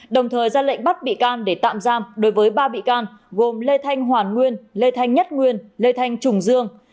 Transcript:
đồng thời ra lệnh bắt bị can để tạm giam đối với ba bị can gồm lê thanh hoàn nguyên lê thanh nhất nguyên lê thanh trùng dương